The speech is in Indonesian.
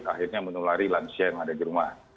akhirnya menulari lansia yang ada di rumah